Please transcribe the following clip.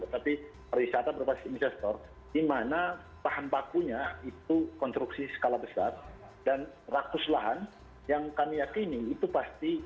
tapi pariwisata berbasis investor di mana bahan bakunya itu konstruksi skala besar dan ratus lahan yang kami yakini itu pasti